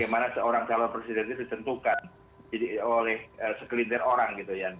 segimana seorang calon presiden ini di tentukan oleh sekelinder orang